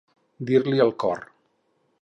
Dir-li el cor.